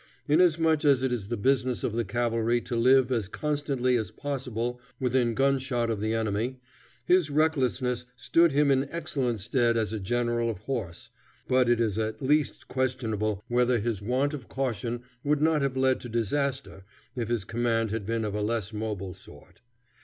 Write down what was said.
Inasmuch as it is the business of the cavalry to live as constantly as possible within gunshot of the enemy, his recklessness stood him in excellent stead as a general of horse, but it is at least questionable whether his want of caution would not have led to disaster if his command had been of a less mobile sort.